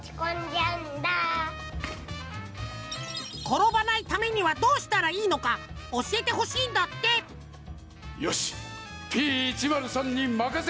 ころばないためにはどうしたらいいのかおしえてほしいんだってよしＰ１０３にまかせてくれ！